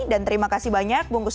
dan terima kasih banyak bungkus